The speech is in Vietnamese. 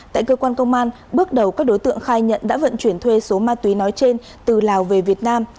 tại cơ quan công an bước đầu các đối tượng khai nhận đã vận chuyển thuê số ma túy nói trên từ lào về việt nam